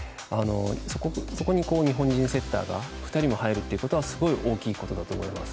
そこに日本人セッターが２人も入るということはすごい大きいことだと思います。